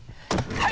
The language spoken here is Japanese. はい！